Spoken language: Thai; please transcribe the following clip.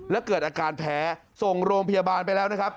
แล้วเกิดอาการแพ้ส่งโรงพยาบาลไปแล้วนะครับ